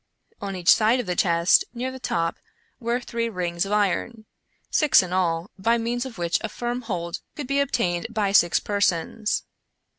On each side of the chest, near the top, were three rings of iron — six in all — by means of which a firm hold could be obtained by six persons.